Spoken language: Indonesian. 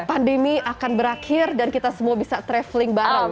pandemi akan berakhir dan kita semua bisa traveling bareng